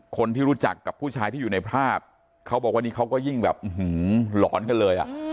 คนที่รู้จักกับผู้ชายที่อยู่ในภาพเขาบอกว่านี่เขาก็ยิ่งแบบหลอนกันเลยอ่ะ